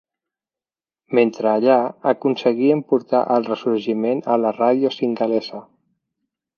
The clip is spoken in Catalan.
Mentre allà, aconseguien portar el ressorgiment a la ràdio singalesa.